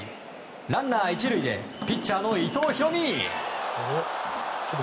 ランナー１塁でピッチャーの伊藤大海。